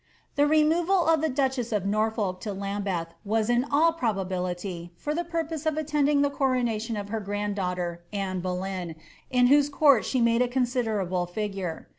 The removal of the duchess of Norfolk to Lambeth was in all pro bability for the purpose of attending the coronation of her grand daugh ter Anne Boleyn, in whose court she made a considerable figure.